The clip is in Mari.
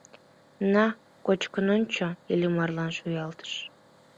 «На, кочкын ончо!» — Иллимарлан шуялтыш.